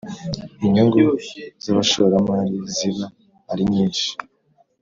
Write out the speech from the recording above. Inyungu z ‘abashoramari ziba arinyishi.